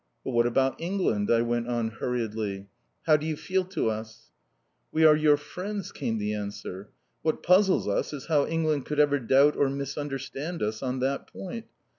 "But what about England?" I went on hurriedly. "How do you feel to us?" "We are your friends," came the answer. "What puzzles us is how England could ever doubt or misunderstand us on that point.